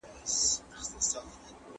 زر یې پټ تر وني لاندي کړل روان سول